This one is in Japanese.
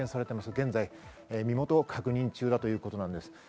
現在、身元の確認中だということです。